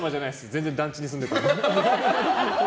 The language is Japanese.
全然、団地に住んでたので。